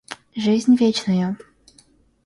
жизнь вечную.